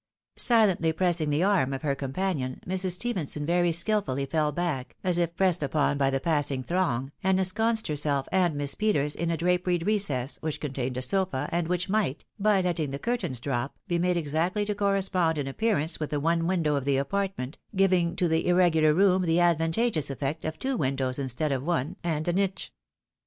Silently pressing the arm. of her companion, Mrs. Ste phenson very skilfully fell back, as if pressed upon by the pass ing throng, and ensconced herself and Miss Peters in a draperied recess, which contained a sofa, and which might, by letting the curtains drop, be made exactly to correspond in appearance with the one window of the apartment, giving to the irregular room the advantageous effect of two windows instead of one, and a niche.